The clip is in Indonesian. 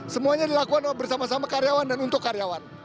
semuanya dilakukan bersama sama karyawan dan untuk karyawan